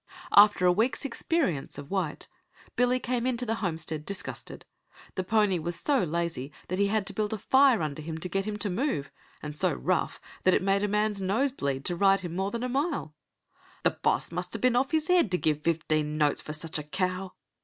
After a week's experience of "White", Billy came in to the homestead disgusted. The pony was so lazy that he had to build a fire under him to get him to move, and so rough that it made a man's nose bleed to ride him more than a mile. "The boss must have been off his head to give fifteen notes for such a cow."